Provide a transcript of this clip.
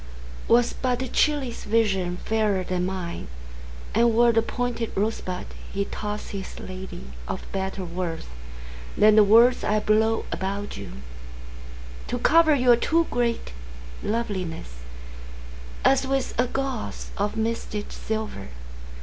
Was Botticelli's visionFairer than mine; And were the pointed rosebudsHe tossed his ladyOf better worthThan the words I blow about youTo cover your too great lovelinessAs with a gauzeOf misted silver?